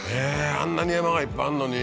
あんなに山がいっぱいあんのに？